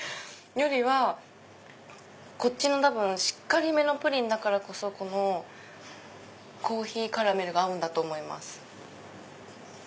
よりはこっちのしっかりめのプリンだからこそこのコーヒーカラメルが合うんだと思います。